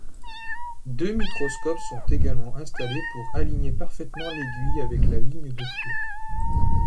Deux microscopes sont également installés pour aligner parfaitement l'aiguille avec la ligne de foi.